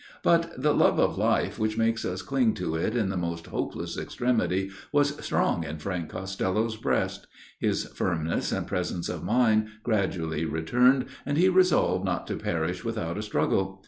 But the love of life, which makes us cling to it in the most hopeless extremity, was strong in Frank Costello's breast; his firmness and presence of mind gradually returned, and he resolved not to perish without a struggle.